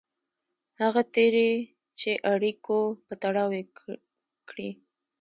هغه تېري چې اړیکو په تړاو یې کړي.